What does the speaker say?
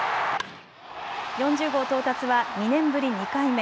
４０号到達は２年ぶり２回目。